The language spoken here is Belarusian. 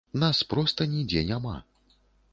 Нас проста нідзе няма.